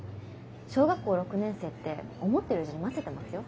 小学校６年生って思ってる以上にませてますよ。